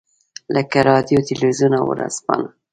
لکه رادیو، تلویزیون او ورځپاڼه.